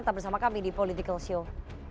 tetap bersama kami di political show